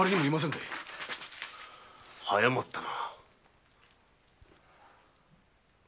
早まったな。